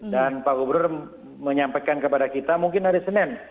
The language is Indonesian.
dan pak gubernur menyampaikan kepada kita mungkin hari senin